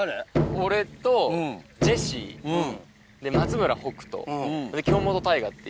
俺とジェシー松村北斗京本大我。